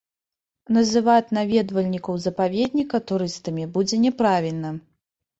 Называць наведвальнікаў запаведніка турыстамі будзе няправільна.